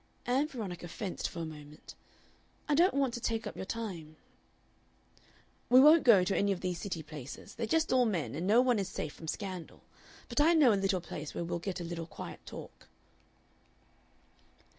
Ann Veronica fenced for a moment. "I don't want to take up your time." "We won't go to any of these City places. They're just all men, and no one is safe from scandal. But I know a little place where we'll get a little quiet talk."